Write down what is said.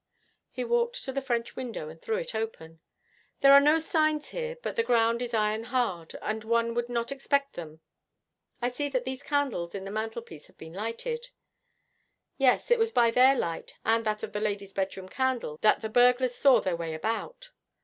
He walked to the French window and threw it open. 'There are no signs here, but the ground is iron hard, and one would not expect them. I see that these candles in the mantelpiece have been lighted.' 'Yes, it was by their light, and that of the lady's bedroom candle, that the burglars saw their way about.'